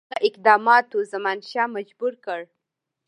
دغه اقداماتو زمانشاه مجبور کړ.